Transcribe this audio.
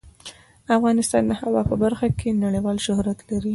افغانستان د هوا په برخه کې نړیوال شهرت لري.